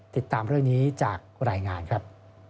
ติดตามเรื่องนี้จากรายงานครับ